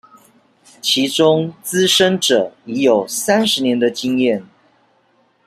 其中資深者已有三十年的經驗